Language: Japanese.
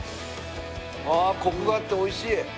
あコクがあっておいしい。